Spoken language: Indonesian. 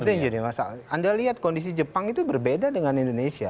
itu yang jadi masalah anda lihat kondisi jepang itu berbeda dengan indonesia